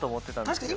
確かに。